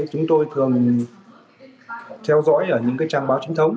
chúng tôi thường theo dõi ở những trang báo chính thống